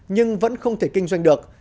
nhưng vẫn không thể kinh doanh được